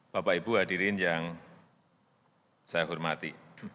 bapak ibu hadirin yang saya hormati